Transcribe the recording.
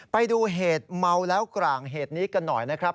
ไปดูเหตุเมาแล้วกลางเหตุนี้กันหน่อยนะครับ